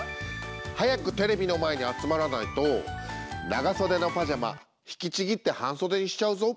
早くテレビの前に集まらないと長袖のパジャマ引きちぎって半袖にしちゃうぞ！